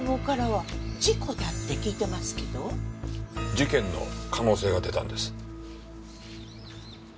事件の可能性が出たんです。